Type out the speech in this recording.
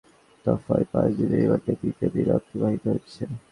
গতকাল বুধবার তাঁদের দ্বিতীয় দফায় পাঁচ দিনের রিমান্ডের দ্বিতীয় দিন অতিবাহিত হয়েছে।